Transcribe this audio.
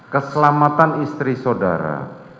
keselamatan istri saudara